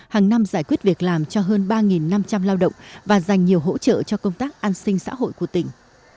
hàng năm giải quyết việc làm cho hơn ba năm trăm linh lao động và dành nhiều hỗ trợ cho công tác an sinh xã hội của tỉnh